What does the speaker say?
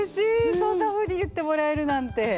そんなふうに言ってもらえるなんて。